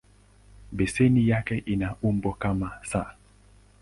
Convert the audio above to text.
Beseni yake ina umbo kama "S".